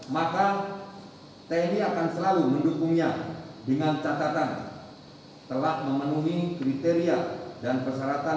maka tni akan selalu mendukungnya dengan catatan telah memenuhi kriteria dan persyaratan